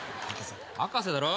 博士だろ。